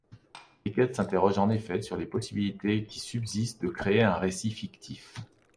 Beckett s'interroge en effet sur les possibilités qui subsistent de créer un récit fictif.